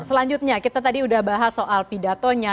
selanjutnya kita tadi sudah bahas soal pidatonya